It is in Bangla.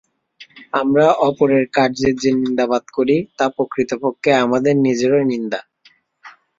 আমরা অপরের কার্যের যে নিন্দাবাদ করি, তা প্রকৃতপক্ষে আমাদের নিজেদেরই নিন্দা।